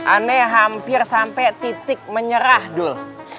ini hampir sampai titik menyerah dul